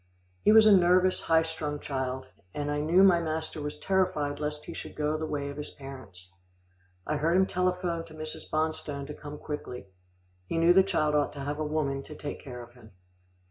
He was a nervous, high strung child, and I knew my master was terrified lest he should go the way of his parents. I heard him telephone to Mrs. Bonstone to come quickly. He knew the child ought to have a woman to take care of him.